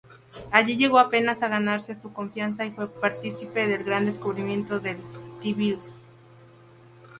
Así llegó a ganarse su confianza y fue partícipe del gran descubrimiento, el T-Virus.